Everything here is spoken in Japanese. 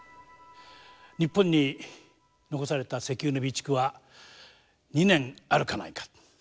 日本に残された石油の備蓄は２年あるかないか。